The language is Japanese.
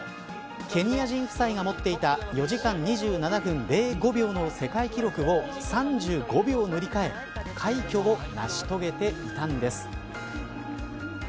ケニア人夫妻が持っていた４時間２７分０５秒の世界記録を３５秒塗り替え快挙を成し遂げていたんです。